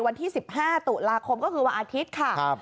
วันที่๑๕ตุลาคมก็คือวันอาทิตย์ค่ะ